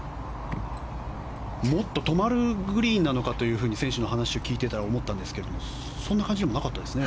もっと止まるグリーンなのかと選手の話を聞いていたら思ったんですけれどもそんな感じでもなかったですね。